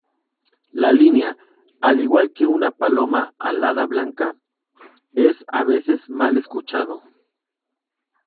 La línea "Al igual que una paloma alada blanca" es a veces mal escuchado.